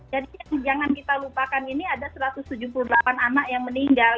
jadi jangan kita lupakan ini ada satu ratus tujuh puluh delapan anak yang meninggal